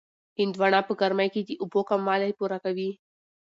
هندواڼه په ګرمۍ کې د اوبو کموالی پوره کوي.